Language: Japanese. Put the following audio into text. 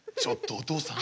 お父さん！